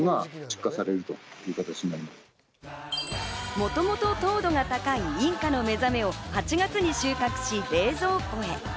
もともと糖度が高いインカのめざめを８月に収穫し、冷蔵庫へ。